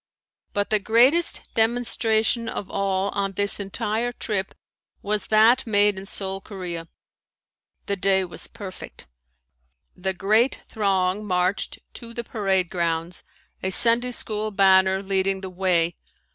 But the greatest demonstration of all on this entire trip was that made in Seoul, Korea. The day was perfect. The great throng marched to the parade grounds, a Sunday school banner leading the way.